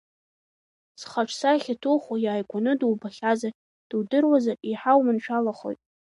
Зхаҿсахьа ҭухуа иааигәаны дубахьазар, дудыруазар, еиҳа уманшәалахоит…